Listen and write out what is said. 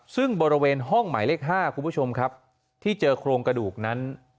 ซึ่งบริเวณห้องหมายเลข๕คุณผู้ชมครับที่เจอโครงกระดูกนั้น